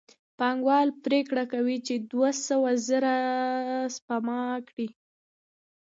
پانګوال پرېکړه کوي چې دوه سوه زره سپما کړي